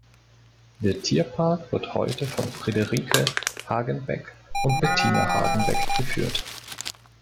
Der Tierpark wird heute von Friederike Hagenbeck und Bettina Hagenbeck geführt.